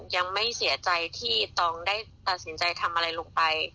ยังไม่เสียใจที่ตองได้ตัดสินใจทำอะไรลงไป